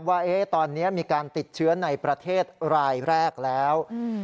ว่าตอนนี้มีการติดเชื้อในประเทศรายแรกแล้ว